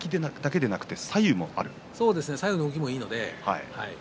左右の動きもいいので。